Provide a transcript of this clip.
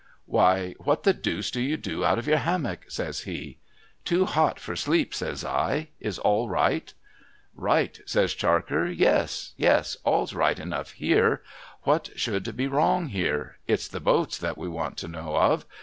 ' Why, what the deuce do you do out of your hammock ?' says he. * Too hot for sleep,' says I j ' is all right ?'' Right !' says Charker, ' yes, yes ; all's right enough here ; what should be wrong here ? It's the boats that we want to know of.